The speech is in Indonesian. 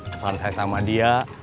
kesan saya sama dia